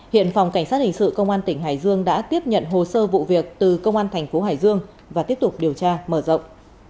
hiện phòng cảnh sát hình sự công an tỉnh hải dương đã tiếp nhận hồ sơ vụ việc từ công an thành phố hải dương và tiếp tục điều tra mở rộng